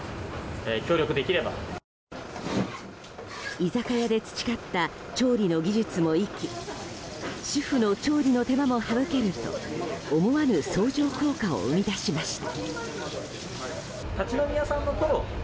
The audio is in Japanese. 居酒屋で培った調理の技術も生き主婦の調理の手間も省けると思わぬ相乗効果を生み出しました。